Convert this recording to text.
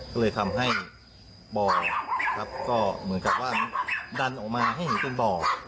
ก็เลยทำให้บ่อครับก็เหมือนกับว่าดันออกมาให้เห็นเป็นบ่อ